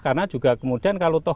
karena juga kemudian kalau